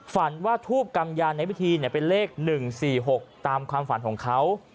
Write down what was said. ฝันว่าทูบกำยานในพิธีเป็นเลข๑๔๖ตามความฝันของเขา